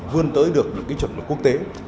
vươn tới được những trận lực quốc tế